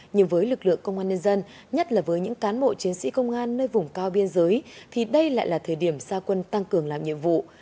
nhưng với lực lượng công an nhân dân nhất là với những cán bộ chiến sĩ công an nơi vùng cao biên giới thì đây lại là thời điểm xa quân tăng cường làm nhiệm vụ